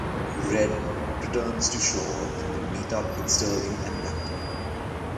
Red returns to shore and they meet up with Sterling and Black.